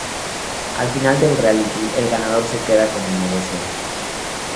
Al final del reality, el ganador se queda con el negocio.